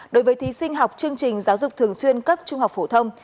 đối với thí sinh học chương trình giáo dục thường xuyên cấp trung học phổ thông